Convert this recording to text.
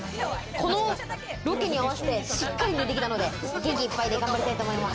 このロケに合わせてしっかり寝てきたので、元気いっぱいで頑張りたいと思います。